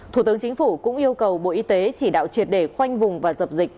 thủ tướng chính phủ cũng yêu cầu bộ y tế chỉ đạo triệt để khoanh vùng và dập dịch